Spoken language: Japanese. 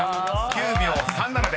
９秒３７です］